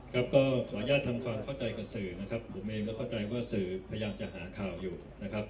ครับก็ขออนุญาตทำความเข้าใจกับสื่อนะครับผมเองก็เข้าใจว่าสื่อพยายามจะหาข่าวอยู่นะครับ